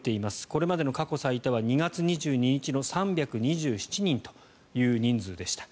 これまでの過去最多は２月２１日の３２７人という人数でした。